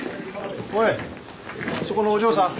おいそこのお嬢さん